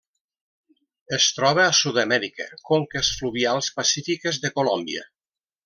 Es troba a Sud-amèrica: conques fluvials pacífiques de Colòmbia.